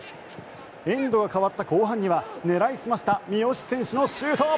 エンドが変わった後半には狙い澄ました三好選手のシュート！